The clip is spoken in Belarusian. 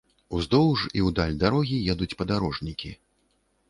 Уздоўж, у даль дарогі едуць падарожнікі.